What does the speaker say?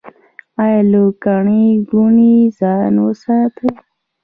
ایا له ګڼې ګوڼې ځان وساتم؟